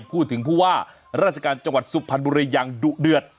พูดถึงผู้ว่าราชการจังหวัดสุพรรณบุรีอย่างดุเดือด